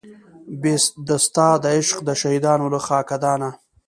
بې د ستا د عشق د شهیدانو له خاکدانه